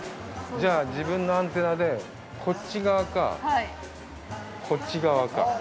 じゃあ、自分のアンテナでこっち側かこっち側か。